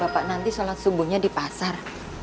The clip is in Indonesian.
bapak nanti sholat subuhnya di pasar